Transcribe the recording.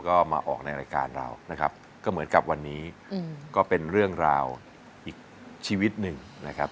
ก็มาออกในรายการเรานะครับก็เหมือนกับวันนี้ก็เป็นเรื่องราวอีกชีวิตหนึ่งนะครับ